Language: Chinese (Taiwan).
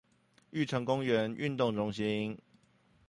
玉成公園運動中心